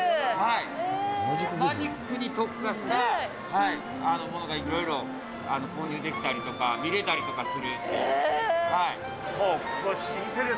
マジックに特化したものがいろいろ購入できたりとか、見れたりとかするので。